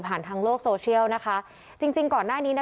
ทางโลกโซเชียลนะคะจริงจริงก่อนหน้านี้นะ